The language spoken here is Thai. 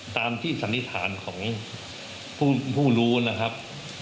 ตามที่สันนิษฐานของผู้รู้นะครับ